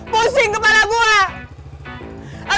pusing kepala gue